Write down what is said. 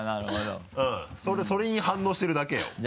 うんそれに反応してるだけよ。